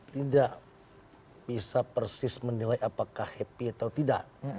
tidak bisa persis menilai apakah happy atau tidak